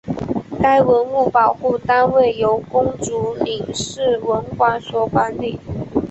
该文物保护单位由公主岭市文管所管理。